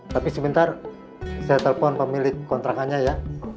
tapi sebentar saya telepon pemilik kontrakannya ya